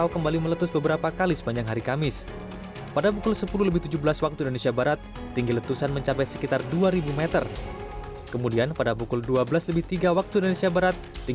kemudian pada pukul dua belas lebih tiga waktu indonesia barat tinggi letusan mencapai seribu enam ratus meter